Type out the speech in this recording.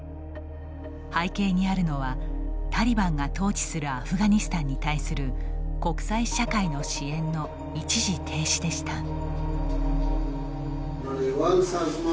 背景にあるのはタリバンが統治するアフガニスタンに対する国際社会の支援の一時停止でした。